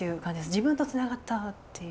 自分とつながったっていう。